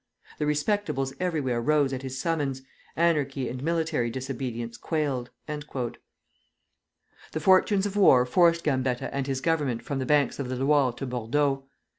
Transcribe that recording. The respectables everywhere rose at his summons, anarchy and military disobedience quailed." The fortunes of war forced Gambetta and his Government from the banks of the Loire to Bordeaux.